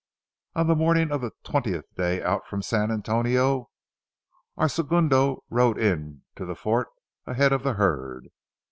On the morning of the twentieth day out from San Antonio, our segundo rode into the fort ahead of the herd.